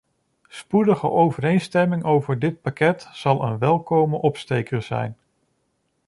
Spoedige overeenstemming over dit pakket zal een welkome opsteker zijn.